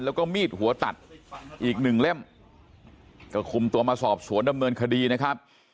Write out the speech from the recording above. แล้วก็มีดหัวตัดอีกหนึ่งเล่มก็คุมตัวมาสอบสวนดำเนินคดีนะครับ